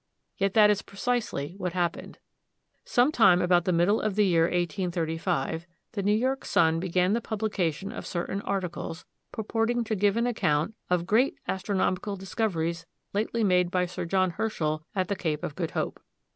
Yet that is precisely what happened. Some time about the middle of the year 1835 the New York Sun began the publication of certain articles, purporting to give an account of "Great Astronomical Discoveries, lately made by Sir John Herschel at the Cape of Good Hope."